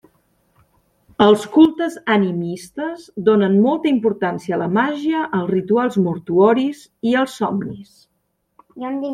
Els cultes animistes donen molta importància a la màgia, als rituals mortuoris i als somnis.